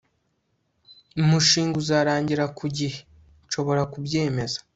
umushinga uzarangira ku gihe? nshobora kubyemeza